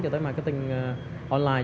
cho tới marketing online